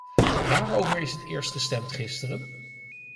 Waarover is het eerst gestemd gisteren?